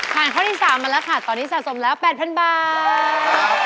ข้อที่๓มาแล้วค่ะตอนนี้สะสมแล้ว๘๐๐๐บาท